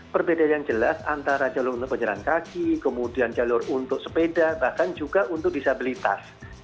perbedaan yang jelas antara jalur untuk pejalan kaki kemudian jalur untuk sepeda bahkan juga untuk disabilitas